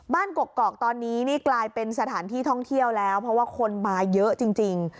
กกอกตอนนี้นี่กลายเป็นสถานที่ท่องเที่ยวแล้วเพราะว่าคนมาเยอะจริง